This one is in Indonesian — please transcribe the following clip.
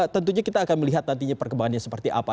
tentunya kita akan melihat nantinya perkembangannya seperti apa